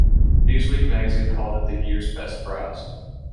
"Newsweek" magazine called it "the year's best browse.